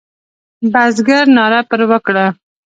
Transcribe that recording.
بزګر ناره پر وکړه.